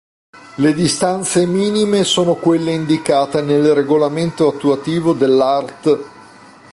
Le distanze minime sono quelle indicate nel regolamento attuativo dell'art.